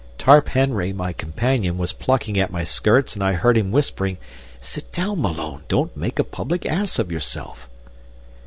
Tarp Henry, my companion, was plucking at my skirts and I heard him whispering, "Sit down, Malone! Don't make a public ass of yourself."